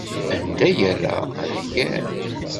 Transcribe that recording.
Anda yerra ad yerr.